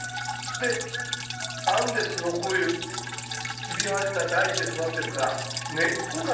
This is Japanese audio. でアンデスのこういうひび割れた大地で育ってるから根っこがですね